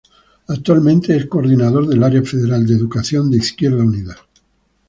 Actualmente es Coordinador del Área Federal de Educación de Izquierda Unida.